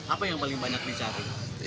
apa yang paling banyak dicari